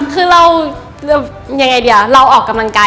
คือเราออกกำลังกายด้วยแล้วก็กินด้วยอะไรอย่างนี้